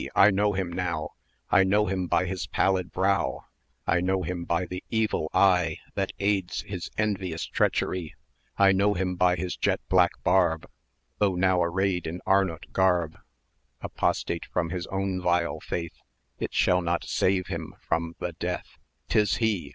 I know him now; 610 I know him by his pallid brow; I know him by the evil eye That aids his envious treachery; I know him by his jet black barb; Though now arrayed in Arnaut garb, Apostate from his own vile faith, It shall not save him from the death: 'Tis he!